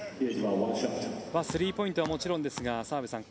スリーポイントはもちろんですが澤部さん